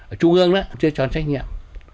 ở trung ương chưa chọn trách nhiệm